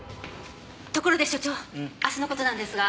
ところで所長明日の事なんですが。